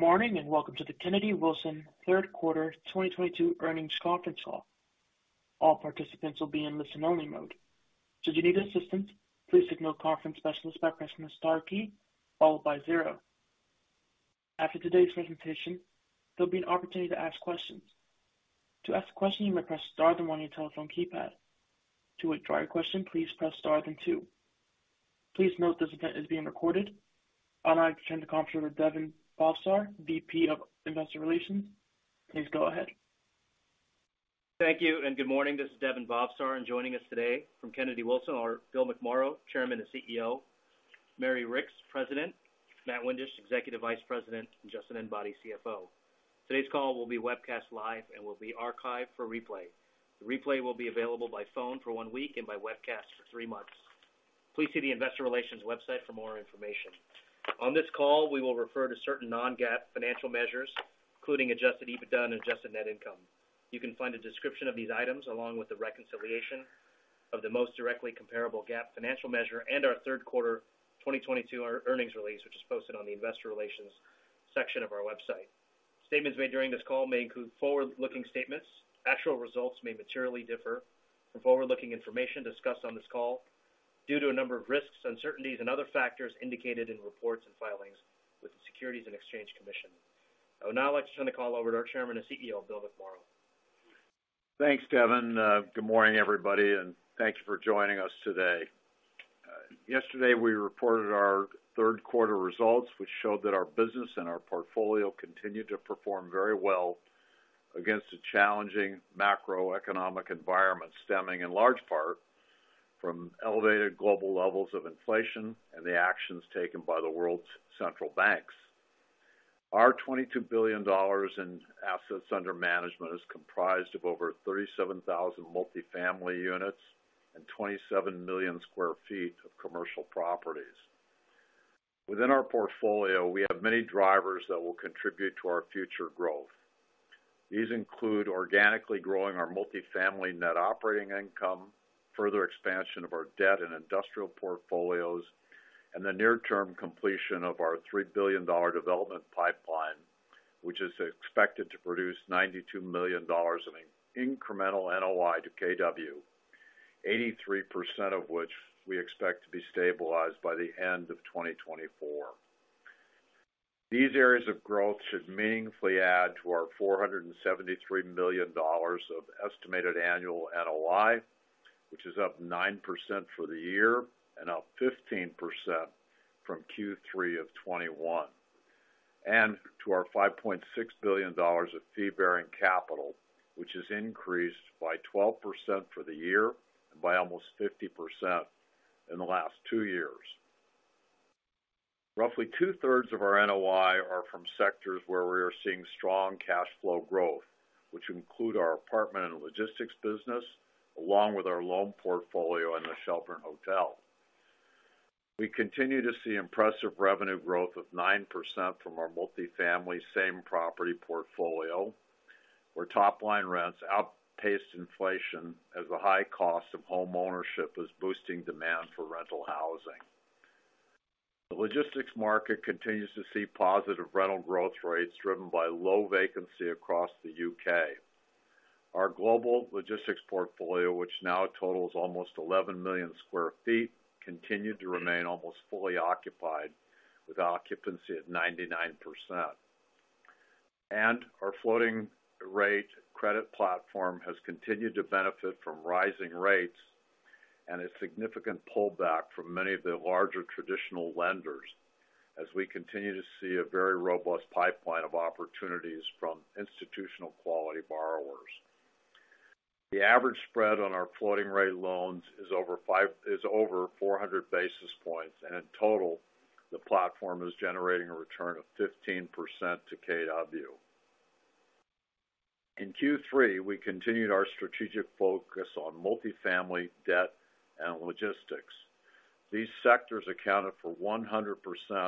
Good morning, and welcome to the Kennedy Wilson third quarter 2022 earnings conference call. All participants will be in listen only mode. Should you need assistance, please signal conference specialist by pressing the star key followed by zero. After today's presentation, there'll be an opportunity to ask questions. To ask a question, you may press star then one on your telephone keypad. To withdraw your question, please press star then two. Please note this event is being recorded. I'll now turn the conference over to Daven Bhavsar, VP of Investor Relations. Please go ahead. Thank you and good morning. This is Daven Bhavsar. Joining us today from Kennedy Wilson are Bill McMorrow, Chairman and CEO, Mary Ricks, President, Matt Windisch, Executive Vice President, and Justin Enbody, CFO. Today's call will be webcast live and will be archived for replay. The replay will be available by phone for one week and by webcast for three months. Please see the investor relations website for more information. On this call, we will refer to certain non-GAAP financial measures, including adjusted EBITDA and adjusted net income. You can find a description of these items along with the reconciliation of the most directly comparable GAAP financial measure and our third quarter 2022 earnings release, which is posted on the investor relations section of our website. Statements made during this call may include forward-looking statements. Actual results may materially differ from forward-looking information discussed on this call due to a number of risks, uncertainties, and other factors indicated in reports and filings with the Securities and Exchange Commission. I would now like to turn the call over to our Chairman and CEO, Bill McMorrow. Thanks, Daven. Good morning, everybody, and thank you for joining us today. Yesterday we reported our third quarter results, which showed that our business and our portfolio continued to perform very well against a challenging macroeconomic environment, stemming in large part from elevated global levels of inflation and the actions taken by the world's central banks. Our $22 billion in assets under management is comprised of over 37,000 multifamily units and 27 million sq ft of commercial properties. Within our portfolio, we have many drivers that will contribute to our future growth. These include organically growing our multifamily net operating income, further expansion of our debt and industrial portfolios, and the near-term completion of our $3 billion development pipeline, which is expected to produce $92 million in incremental NOI to KW, 83% of which we expect to be stabilized by the end of 2024. These areas of growth should meaningfully add to our $473 million of estimated annual NOI, which is up 9% for the year and up 15% from Q3 of 2021, and to our $5.6 billion of fee-bearing capital, which has increased by 12% for the year and by almost 50% in the last two years. Roughly two-thirds of our NOI are from sectors where we are seeing strong cash flow growth, which include our apartment and logistics business, along with our loan portfolio and the Shelbourne. We continue to see impressive revenue growth of 9% from our multifamily same property portfolio, where top-line rents outpaced inflation as the high cost of homeownership is boosting demand for rental housing. The logistics market continues to see positive rental growth rates driven by low vacancy across the U.K. Our global logistics portfolio, which now totals almost 11 million sq ft, continued to remain almost fully occupied, with occupancy at 99%. Our floating rate credit platform has continued to benefit from rising rates and a significant pullback from many of the larger traditional lenders as we continue to see a very robust pipeline of opportunities from institutional quality borrowers. The average spread on our floating rate loans is over 400 basis points, and in total, the platform is generating a return of 15% to KW. In Q3, we continued our strategic focus on multifamily debt and logistics. These sectors accounted for 100%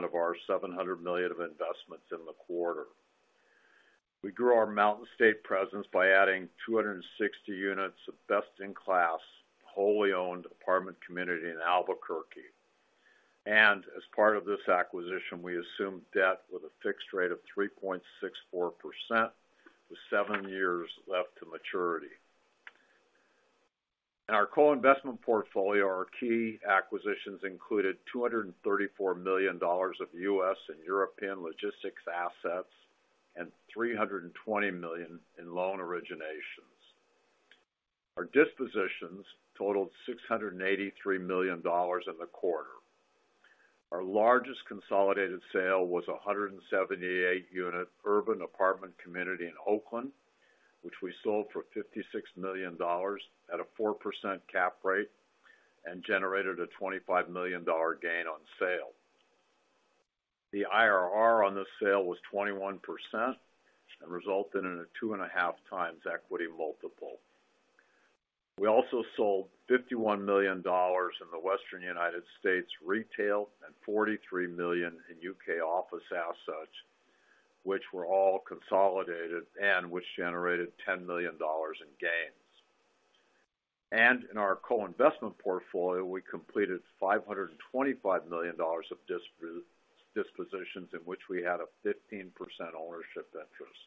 of our $700 million of investments in the quarter. We grew our Mountain West presence by adding 260 units of best-in-class, wholly owned apartment community in Albuquerque. As part of this acquisition, we assumed debt with a fixed rate of 3.64% with seven years left to maturity. In our co-investment portfolio, our key acquisitions included $234 million of U.S. and European logistics assets and $320 million in loan originations. Our dispositions totaled $683 million in the quarter. Our largest consolidated sale was a 178-unit urban apartment community in Oakland, which we sold for $56 million at a 4% cap rate and generated a $25 million gain on sale. The IRR on this sale was 21% and resulted in a 2.5x equity multiple. We also sold $51 million in the Western United States retail and $43 million in U.K. office assets, which were all consolidated and which generated $10 million in gain. In our co-investment portfolio, we completed $525 million of dispositions in which we had a 15% ownership interest.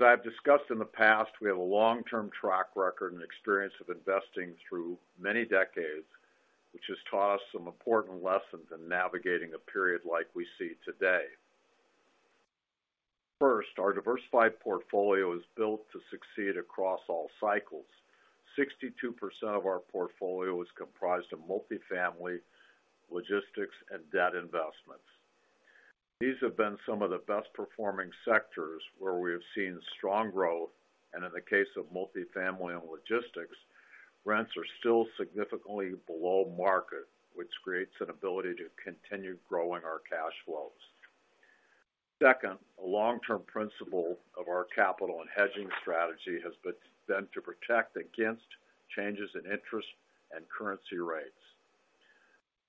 I have discussed in the past, we have a long-term track record and experience of investing through many decades, which has taught us some important lessons in navigating a period like we see today. First, our diversified portfolio is built to succeed across all cycles. 62% of our portfolio is comprised of multifamily, logistics, and debt investments. These have been some of the best performing sectors where we have seen strong growth, and in the case of multifamily and logistics, rents are still significantly below market, which creates an ability to continue growing our cash flows. Second, a long-term principle of our capital and hedging strategy has been to protect against changes in interest and currency rates.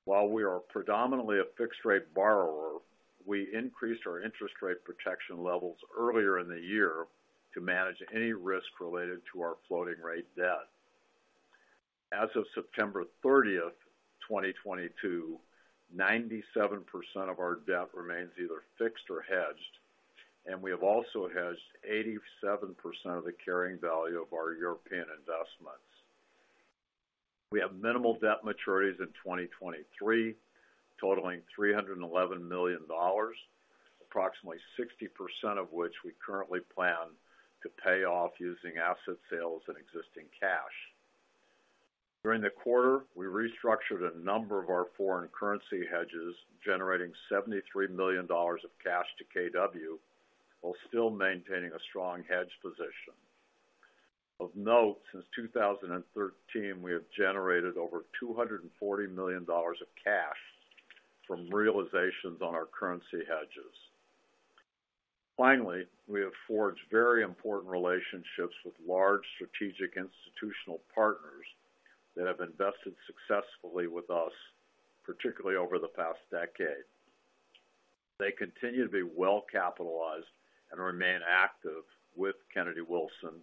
While we are predominantly a fixed rate borrower, we increased our interest rate protection levels earlier in the year to manage any risk related to our floating rate debt. As of September 30th, 2022, 97% of our debt remains either fixed or hedged, and we have also hedged 87% of the carrying value of our European investments. We have minimal debt maturities in 2023, totaling $311 million, approximately 60% of which we currently plan to pay off using asset sales and existing cash. During the quarter, we restructured a number of our foreign currency hedges, generating $73 million of cash to KW, while still maintaining a strong hedge position. Of note, since 2013, we have generated over $240 million of cash from realizations on our currency hedges. Finally, we have forged very important relationships with large strategic institutional partners that have invested successfully with us, particularly over the past decade. They continue to be well capitalized and remain active with Kennedy Wilson.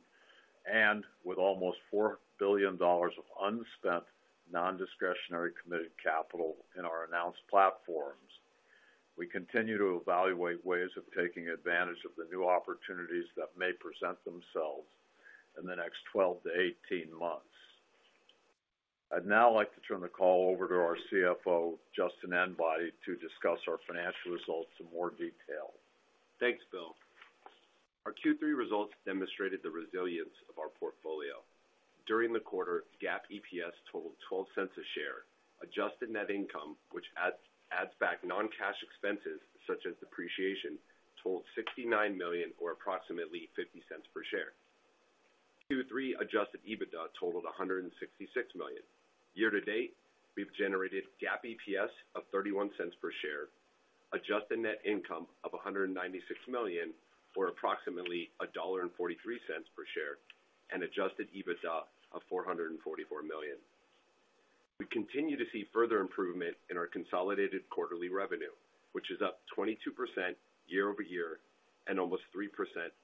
With almost $4 billion of unspent, nondiscretionary committed capital in our announced platforms, we continue to evaluate ways of taking advantage of the new opportunities that may present themselves in the next 12 to 18 months. I'd now like to turn the call over to our CFO, Justin Enbody, to discuss our financial results in more detail. Thanks, Bill. Our Q3 results demonstrated the resilience of our portfolio. During the quarter, GAAP EPS totaled $0.12 per share. Adjusted net income, which adds back non-cash expenses such as depreciation, totaled $69 million or approximately $0.50 per share. Q3 adjusted EBITDA totaled $166 million. Year to date, we've generated GAAP EPS of $0.31 per share, adjusted net income of $196 million, or approximately $1.43 per share, and adjusted EBITDA of $444 million. We continue to see further improvement in our consolidated quarterly revenue, which is up 22% year-over-year and almost 3%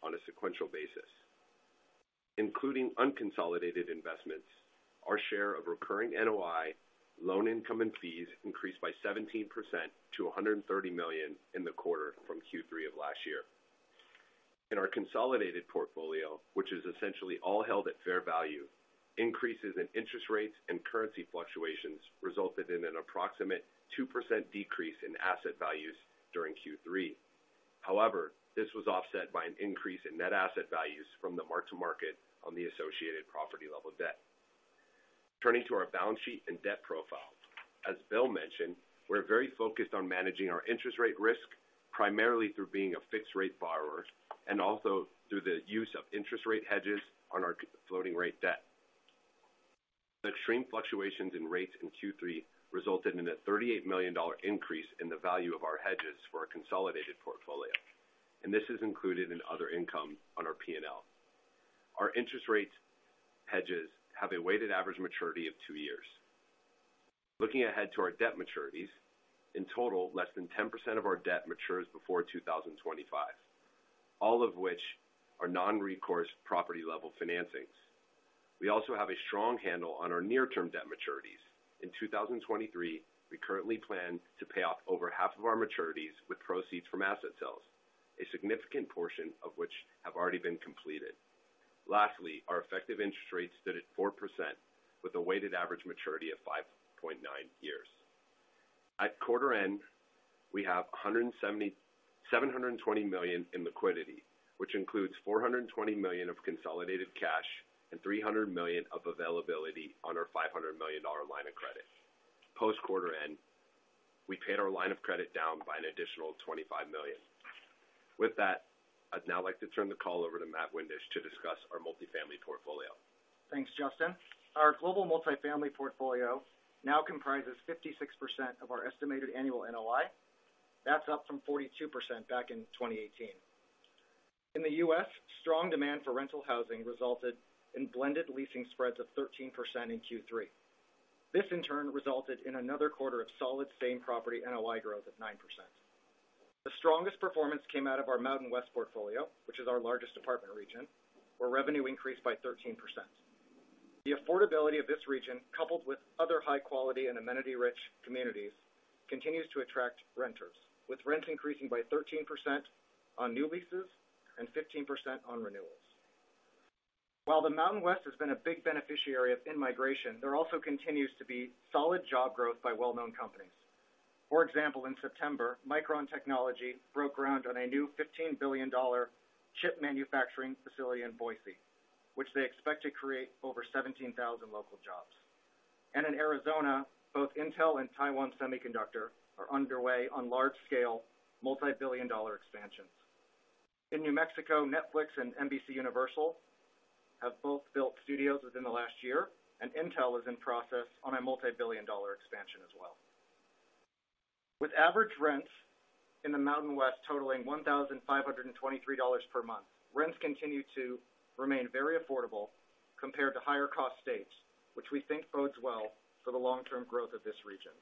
on a sequential basis. Including unconsolidated investments, our share of recurring NOI, loan income, and fees increased by 17% to $130 million in the quarter from Q3 of last year. In our consolidated portfolio, which is essentially all held at fair value, increases in interest rates and currency fluctuations resulted in an approximate 2% decrease in asset values during Q3. However, this was offset by an increase in net asset values from the mark-to-market on the associated property level debt. Turning to our balance sheet and debt profile. As Bill mentioned, we're very focused on managing our interest rate risk, primarily through being a fixed rate borrower and also through the use of interest rate hedges on our floating rate debt. The extreme fluctuations in rates in Q3 resulted in a $38 million increase in the value of our hedges for our consolidated portfolio, and this is included in other income on our P&L. Our interest rate hedges have a weighted average maturity of two years. Looking ahead to our debt maturities, in total, less than 10% of our debt matures before 2025, all of which are non-recourse property level financings. We also have a strong handle on our near-term debt maturities. In 2023, we currently plan to pay off over half of our maturities with proceeds from asset sales, a significant portion of which have already been completed. Lastly, our effective interest rate stood at 4% with a weighted average maturity of 5.9 years. At quarter end, we have $720 million in liquidity, which includes $420 million of consolidated cash and $300 million of availability on our $500 million line of credit. Post quarter end, we paid our line of credit down by an additional $25 million. With that, I'd now like to turn the call over to Matt Windisch to discuss our multifamily portfolio. Thanks, Justin. Our global multifamily portfolio now comprises 56% of our estimated annual NOI. That's up from 42% back in 2018. In the U.S., strong demand for rental housing resulted in blended leasing spreads of 13% in Q3. This in turn resulted in another quarter of solid same property NOI growth of 9%. The strongest performance came out of our Mountain West portfolio, which is our largest apartment region, where revenue increased by 13%. The affordability of this region, coupled with other high quality and amenity-rich communities, continues to attract renters, with rents increasing by 13% on new leases and 15% on renewals. While the Mountain West has been a big beneficiary of in-migration, there also continues to be solid job growth by well-known companies. For example, in September, Micron Technology broke ground on a new $15 billion chip manufacturing facility in Boise, which they expect to create over 17,000 local jobs. In Arizona, both Intel and Taiwan Semiconductor are underway on large-scale, multi-billion-dollar expansions. In New Mexico, Netflix and NBCUniversal have both built studios within the last year, and Intel is in process on a multi-billion-dollar expansion as well. With average rents in the Mountain West totaling $1,523 per month, rents continue to remain very affordable compared to higher cost states, which we think bodes well for the long-term growth of this region.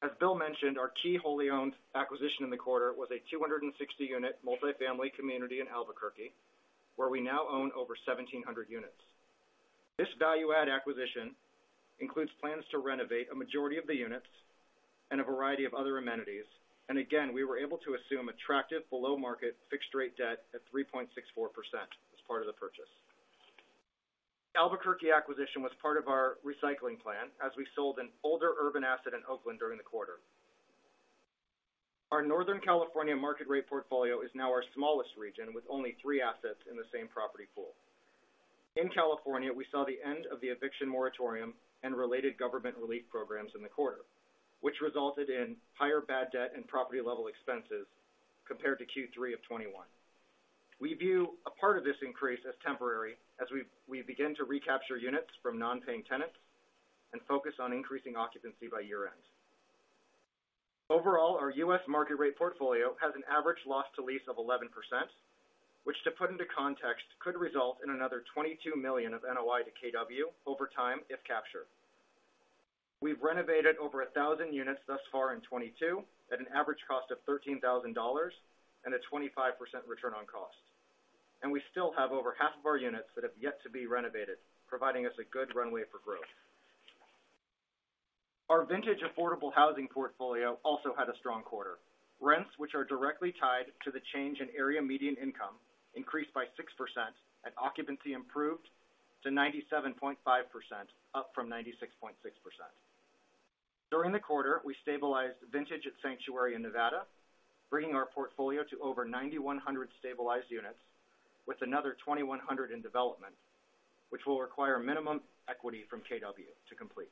As Bill mentioned, our key wholly owned acquisition in the quarter was a 260-unit multifamily community in Albuquerque, where we now own over 1,700 units. This value-add acquisition includes plans to renovate a majority of the units and a variety of other amenities. Again, we were able to assume attractive below-market fixed rate debt at 3.64% as part of the purchase. Albuquerque acquisition was part of our recycling plan as we sold an older urban asset in Oakland during the quarter. Our Northern California market rate portfolio is now our smallest region, with only three assets in the same property pool. In California, we saw the end of the eviction moratorium and related government relief programs in the quarter, which resulted in higher bad debt and property level expenses compared to Q3 of 2021. We view a part of this increase as temporary as we begin to recapture units from non-paying tenants and focus on increasing occupancy by year-end. Overall, our U.S. market rate portfolio has an average loss to lease of 11%, which, to put into context, could result in another $22 million of NOI to KW over time if captured. We've renovated over 1,000 units thus far in 2022 at an average cost of $13,000 and a 25% return on cost. We still have over half of our units that have yet to be renovated, providing us a good runway for growth. Our vintage affordable housing portfolio also had a strong quarter. Rents, which are directly tied to the change in area median income, increased by 6% and occupancy improved to 97.5%, up from 96.6%. During the quarter, we stabilized Vintage at Sanctuary in Nevada, bringing our portfolio to over 9,100 stabilized units with another 2,100 in development, which will require minimum equity from KW to complete.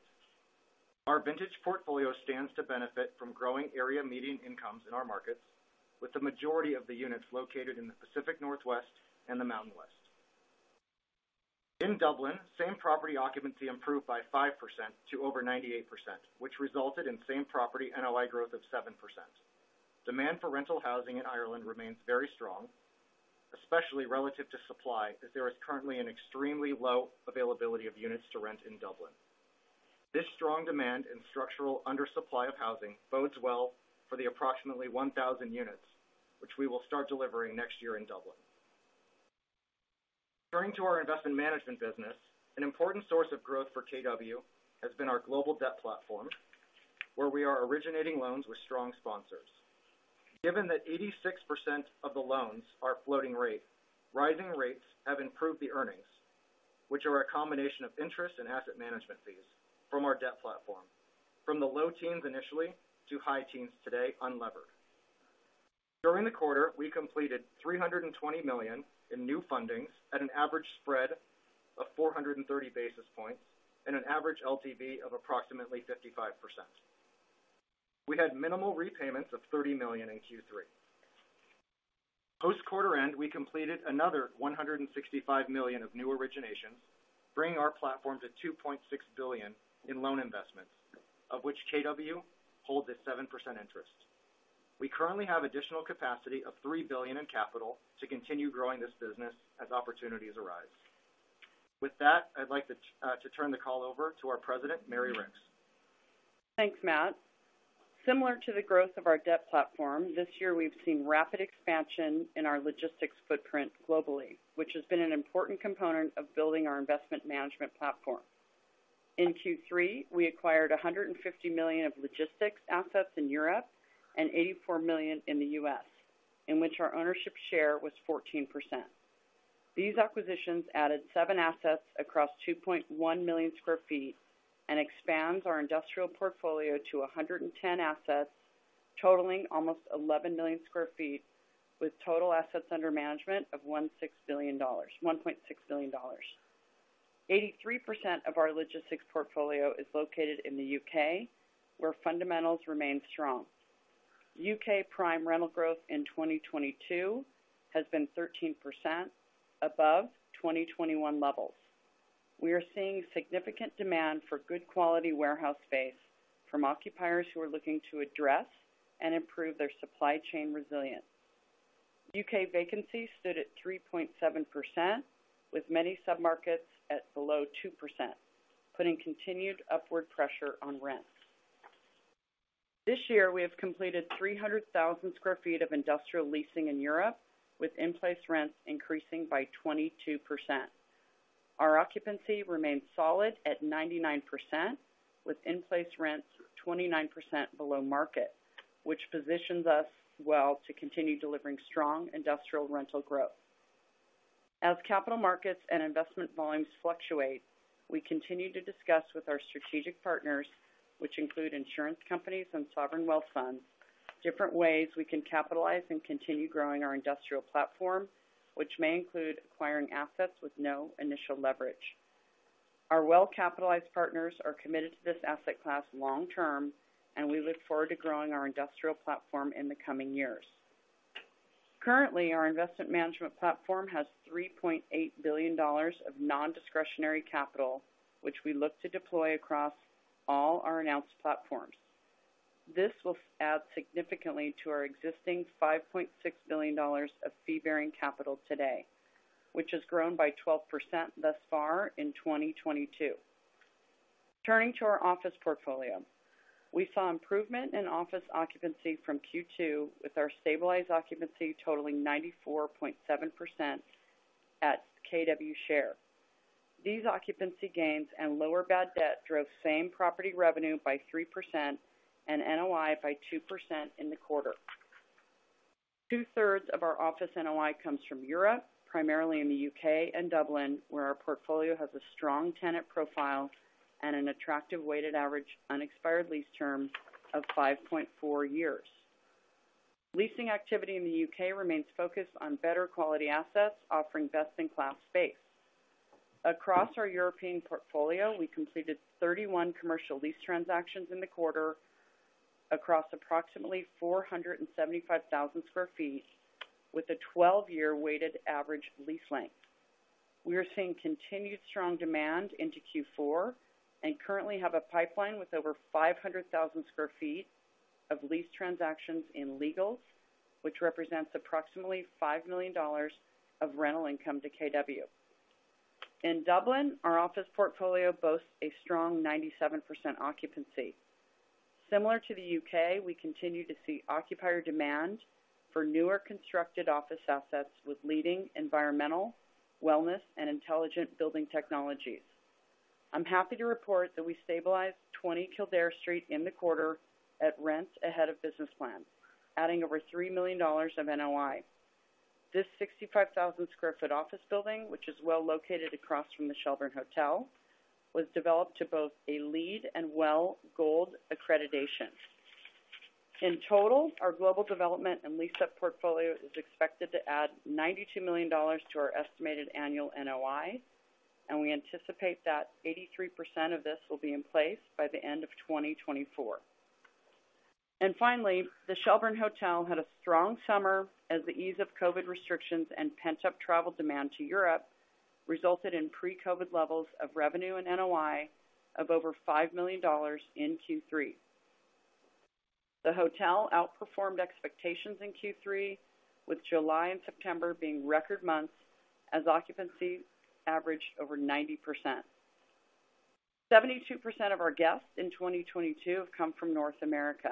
Our Vintage portfolio stands to benefit from growing area median incomes in our markets, with the majority of the units located in the Pacific Northwest and the Mountain West. In Dublin, same property occupancy improved by 5% to over 98%, which resulted in same property NOI growth of 7%. Demand for Rental Housing in Ireland remains very strong, especially relative to supply, as there is currently an extremely low availability of units to rent in Dublin. This strong demand and structural undersupply of housing bodes well for the approximately 1,000 units which we will start delivering next year in Dublin. Turning to our investment management business, an important source of growth for KW has been our global debt platform, where we are originating loans with strong sponsors. Given that 86% of the loans are floating rate, rising rates have improved the earnings, which are a combination of interest and asset management fees from our debt platform from the low teens initially to high teens today, unlevered. During the quarter, we completed $320 million in new fundings at an average spread of 430 basis points and an average LTV of approximately 55%. We had minimal repayments of $30 million in Q3. Post quarter end, we completed another $165 million of new originations, bringing our platform to $2.6 billion in loan investments, of which KW holds a 7% interest. We currently have additional capacity of $3 billion in capital to continue growing this business as opportunities arise. With that, I'd like to turn the call over to our President, Mary Ricks. Thanks, Matt. Similar to the growth of our debt platform, this year we've seen rapid expansion in our logistics footprint globally, which has been an important component of building our investment management platform. In Q3, we acquired $150 million of logistics assets in Europe and $84 million in the U.S., in which our ownership share was 14%. These acquisitions added seven assets across 2.1 million sq ft and expands our industrial portfolio to 110 assets, totaling almost 11 million sq ft with total assets under management of $1.6 billion. 83% of our logistics portfolio is located in the U.K., where fundamentals remain strong. U.K. prime rental growth in 2022 has been 13% above 2021 levels. We are seeing significant demand for good quality warehouse space from occupiers who are looking to address and improve their supply chain resilience. U.K. vacancy stood at 3.7%, with many submarkets at below 2%, putting continued upward pressure on rent. This year, we have completed 300,000 sq ft of industrial leasing in Europe, with in-place rents increasing by 22%. Our occupancy remains solid at 99%, with in-place rents 29% below market, which positions us well to continue delivering strong industrial rental growth. As capital markets and investment volumes fluctuate, we continue to discuss with our strategic partners, which include insurance companies and sovereign wealth funds, different ways we can capitalize and continue growing our industrial platform, which may include acquiring assets with no initial leverage. Our well-capitalized partners are committed to this asset class long term, and we look forward to growing our industrial platform in the coming years. Currently, our investment management platform has $3.8 billion of nondiscretionary capital, which we look to deploy across all our announced platforms. This will add significantly to our existing $5.6 billion of fee-bearing capital today, which has grown by 12% thus far in 2022. Turning to our office portfolio. We saw improvement in office occupancy from Q2, with our stabilized occupancy totaling 94.7% at KW share. These occupancy gains and lower bad debt drove same property revenue by 3% and NOI by 2% in the quarter. Two-thirds of our office NOI comes from Europe, primarily in the U.K. and Dublin, where our portfolio has a strong tenant profile and an attractive weighted average unexpired lease term of 5.4 years. Leasing activity in the U.K. remains focused on better quality assets offering best-in-class space. Across our European portfolio, we completed 31 commercial lease transactions in the quarter across approximately 475,000 sq ft with a 12-year weighted average lease length. We are seeing continued strong demand into Q4 and currently have a pipeline with over 500,000 sq ft of lease transactions in legals, which represents approximately $5 million of rental income to KW. In Dublin, our office portfolio boasts a strong 97% occupancy. Similar to the U.K., we continue to see occupier demand for newly constructed office assets with leading environmental, wellness, and intelligent building technologies. I'm happy to report that we stabilized 20 Kildare Street in the quarter at rents ahead of business plan, adding over $3 million of NOI. This 65,000 sq ft office building, which is well located across from the Shelbourne, was developed to both a LEED and WELL gold accreditation. In total, our global development and lease-up portfolio is expected to add $92 million to our estimated annual NOI, and we anticipate that 83% of this will be in place by the end of 2024. Finally, the Shelbourne had a strong summer as the ease of COVID restrictions and pent-up travel demand to Europe resulted in pre-COVID levels of revenue and NOI of over $5 million in Q3. The hotel outperformed expectations in Q3, with July and September being record months as occupancy averaged over 90%. 72% of our guests in 2022 have come from North America.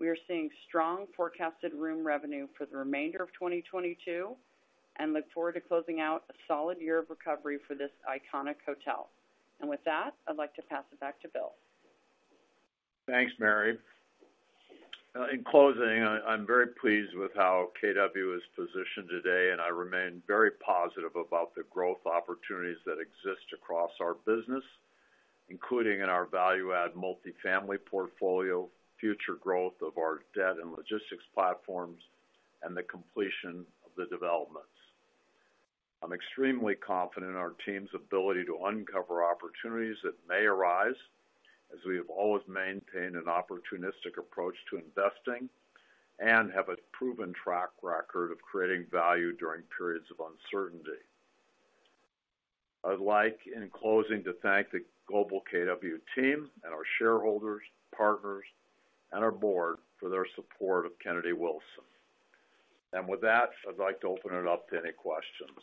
We are seeing strong forecasted room revenue for the remainder of 2022 and look forward to closing out a solid year of recovery for this iconic hotel. With that, I'd like to pass it back to Bill. Thanks, Mary. In closing, I'm very pleased with how KW is positioned today, and I remain very positive about the growth opportunities that exist across our business, including in our value-add multifamily portfolio, future growth of our debt and logistics platforms, and the completion of the developments. I'm extremely confident in our team's ability to uncover opportunities that may arise as we have always maintained an opportunistic approach to investing and have a proven track record of creating value during periods of uncertainty. I'd like, in closing, to thank the global KW team and our shareholders, partners, and our board for their support of Kennedy Wilson. With that, I'd like to open it up to any questions.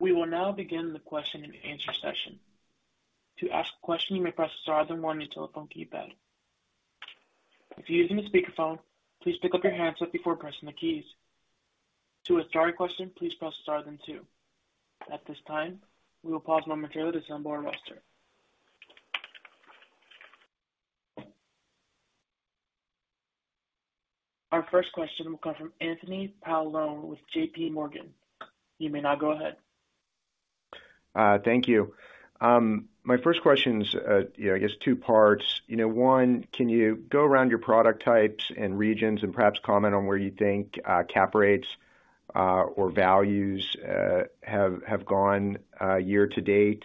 We will now begin the question and answer session. To ask a question, you may press star then one on your telephone keypad. If you're using a speakerphone, please pick up your handset before pressing the keys. To withdraw your question, please press star then two. At this time, we will pause momentarily to assemble our roster. Our first question will come from Anthony Paolone with JPMorgan. You may now go ahead. Thank you. My first question's, you know, I guess two parts. You know, one, can you go around your product types and regions and perhaps comment on where you think, cap rates, or values, have gone, year to date?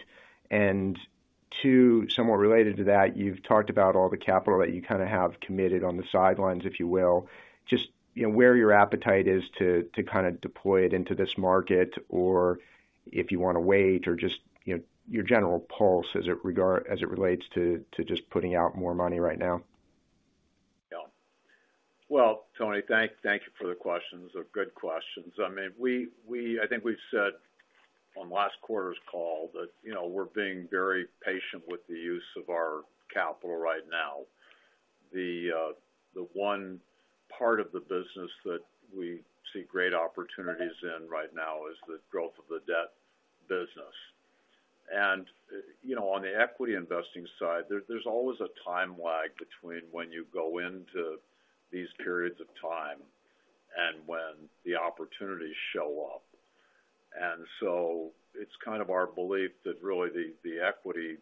Two, somewhat related to that, you've talked about all the capital that you kind of have committed on the sidelines, if you will. Just, you know, where your appetite is to kind of deploy it into this market or if you wanna wait or just, you know, your general pulse as it relates to just putting out more money right now. Well, Anthony, thank you for the questions. They're good questions. I mean, I think we've said on last quarter's call that, you know, we're being very patient with the use of our capital right now. The one part of the business that we see great opportunities in right now is the growth of the debt business. You know, on the equity investing side, there's always a time lag between when you go into these periods of time and when the opportunities show up. It's kind of our belief that really the equity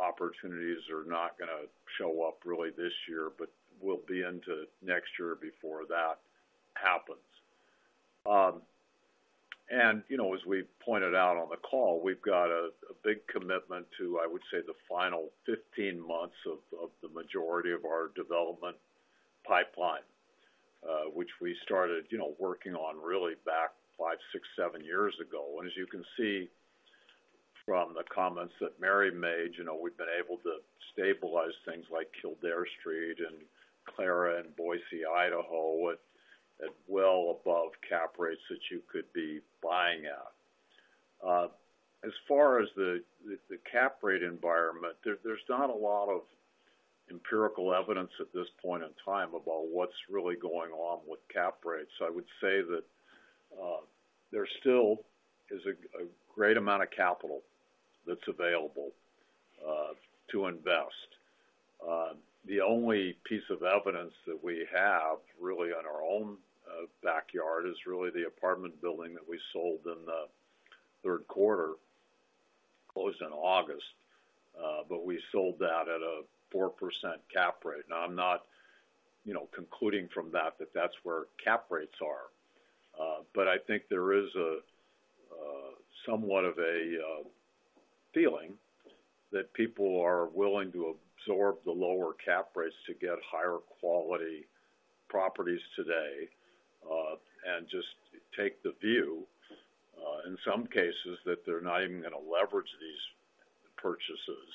opportunities are not gonna show up really this year, but we'll be into next year before that happens. You know, as we pointed out on the call, we've got a big commitment to, I would say, the final 15 months of the majority of our development pipeline, which we started, you know, working on really back five, six, seven years ago. As you can see from the comments that Mary made, you know, we've been able to stabilize things like Kildare Street and Clara and Boise, Idaho, with at well above cap rates that you could be buying at. As far as the cap rate environment, there's not a lot of empirical evidence at this point in time about what's really going on with cap rates. I would say that there still is a great amount of capital that's available to invest. The only piece of evidence that we have really on our own backyard is really the apartment building that we sold in the third quarter, closed in August. We sold that at a 4% cap rate. Now, I'm not, you know, concluding from that that's where cap rates are. I think there is a somewhat of a feeling that people are willing to absorb the lower cap rates to get higher quality properties today, and just take the view, in some cases, that they're not even gonna leverage these purchases,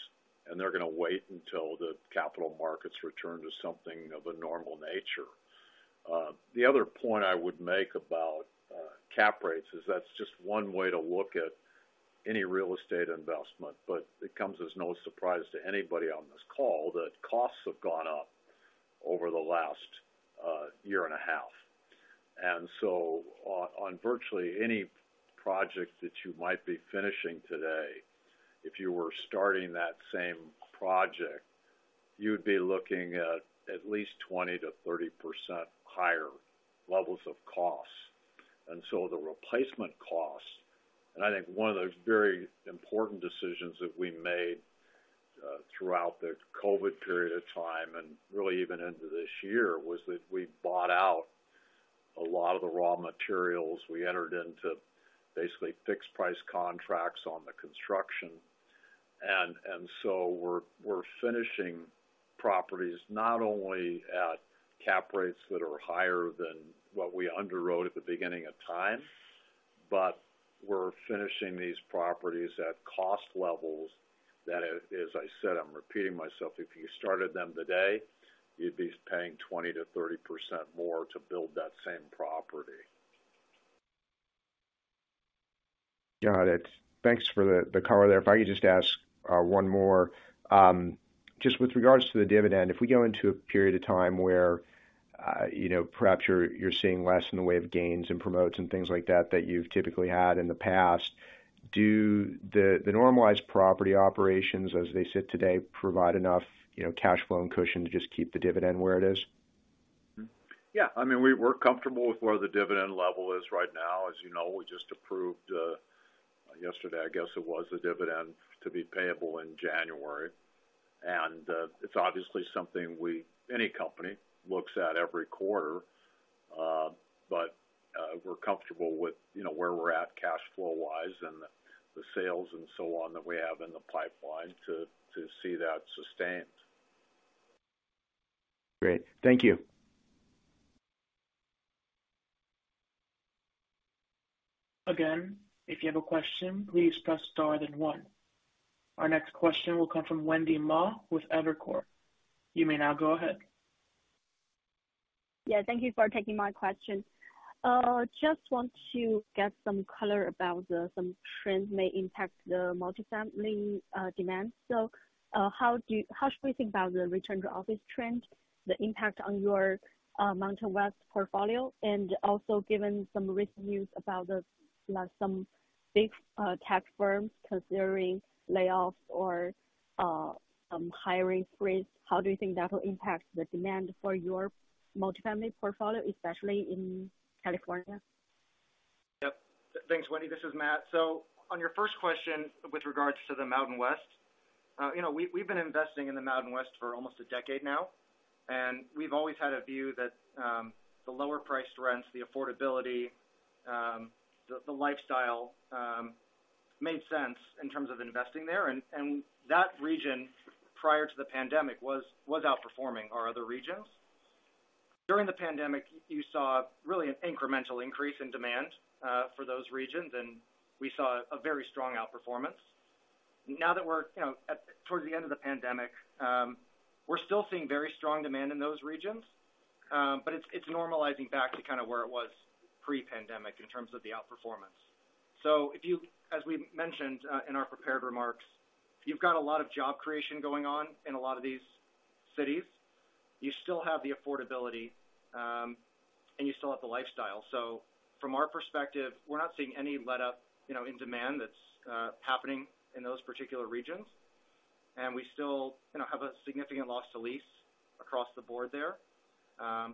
and they're gonna wait until the capital markets return to something of a normal nature. The other point I would make about cap rates is that's just one way to look at any real estate investment, but it comes as no surprise to anybody on this call that costs have gone up over the last year and a half. On virtually any project that you might be finishing today, if you were starting that same project, you'd be looking at least 20%-30% higher levels of costs. I think one of those very important decisions that we made throughout the COVID period of time and really even into this year was that we bought out a lot of the raw materials. We entered into basically fixed price contracts on the construction. We're finishing properties not only at cap rates that are higher than what we underwrote at the beginning of time, but we're finishing these properties at cost levels that, as I said, I'm repeating myself, if you started them today, you'd be paying 20%-30% more to build that same property. Got it. Thanks for the color there. If I could just ask one more. Just with regards to the dividend, if we go into a period of time where, you know, perhaps you're seeing less in the way of gains and promotes and things like that that you've typically had in the past, do the normalized property operations, as they sit today, provide enough, you know, cash flow and cushion to just keep the dividend where it is? Yeah. I mean, we're comfortable with where the dividend level is right now. As you know, we just approved yesterday, I guess it was, the dividend to be payable in January. It's obviously something we, any company looks at every quarter. We're comfortable with, you know, where we're at cash flow-wise and the sales and so on that we have in the pipeline to see that sustained. Great. Thank you. Again, if you have a question, please press star then one. Our next question will come from Wendy Ma with Evercore. You may now go ahead. Yeah, thank you for taking my question. Just want to get some color about some trends may impact the multifamily demand. How should we think about the return to office trend, the impact on your Mountain West portfolio? Also given some recent news about the, like, some big tech firms considering layoffs or some hiring freeze, how do you think that will impact the demand for your multifamily portfolio, especially in California? Yep. Thanks, Wendy. This is Matt. On your first question with regards to the Mountain West, you know, we've been investing in the Mountain West for almost a decade now, and we've always had a view that, the lower priced rents, the affordability, the lifestyle, made sense in terms of investing there. That region, prior to the pandemic, was outperforming our other regions. During the pandemic, you saw really an incremental increase in demand, for those regions, and we saw a very strong outperformance. Now that we're, you know, towards the end of the pandemic, we're still seeing very strong demand in those regions, but it's normalizing back to kind of where it was pre-pandemic in terms of the outperformance. As we mentioned in our prepared remarks, you've got a lot of job creation going on in a lot of these cities. You still have the affordability, and you still have the lifestyle. From our perspective, we're not seeing any letup, you know, in demand that's happening in those particular regions. We still, you know, have a significant loss to lease across the board there.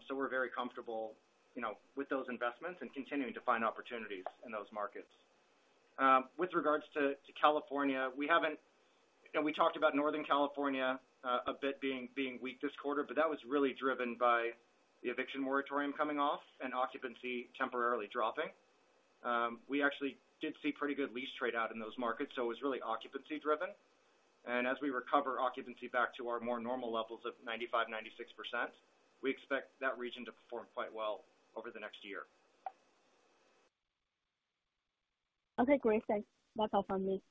We're very comfortable, you know, with those investments and continuing to find opportunities in those markets. With regards to California, we haven't. You know, we talked about Northern California a bit being weak this quarter, but that was really driven by the eviction moratorium coming off and occupancy temporarily dropping. We actually did see pretty good lease trade out in those markets, so it was really occupancy-driven. As we recover occupancy back to our more normal levels of 95%-96%, we expect that region to perform quite well over the next year. Okay, great. Thanks. That's all from me.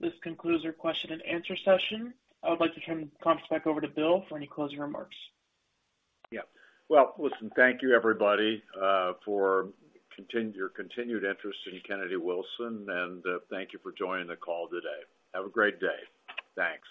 This concludes our question and answer session. I would like to turn the conference back over to Bill for any closing remarks. Yeah. Well, listen, thank you, everybody, for your continued interest in Kennedy Wilson, and thank you for joining the call today. Have a great day. Thanks.